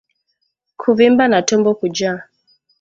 Kuvimba na tumbo kujaa